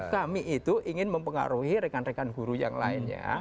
kami itu ingin mempengaruhi rekan rekan guru yang lainnya